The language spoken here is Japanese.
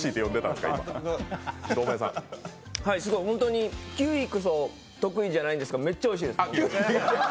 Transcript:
すごい、本当にキウイこそ得意じゃないんですけどめっちゃおいしいです。